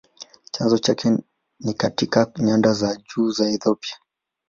Chanzo chake ni katika nyanda za juu za Ethiopia.